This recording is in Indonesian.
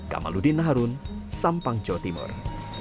kamaludin naharun sampang jawa timur